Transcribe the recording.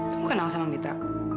kamu kenal sama mita